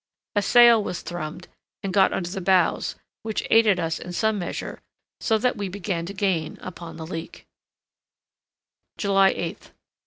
A sail was thrummed, and got under the bows, which aided us in some measure, so that we began to gain upon the leak. July 8th.